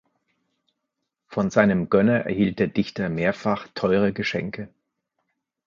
Von seinem Gönner erhielt der Dichter mehrfach teure Geschenke.